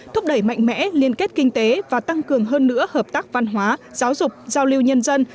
thúc đẩy mạnh mẽ liên kết kinh tế và tăng cường hơn nữa hợp tác văn hóa giáo dục giao lưu nhân dân